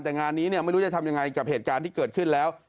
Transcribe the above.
แต่งานนี้เนี่ยไม่รู้จะทำยังไงกับเหตุการณ์ที่เกิดขึ้นแล้ว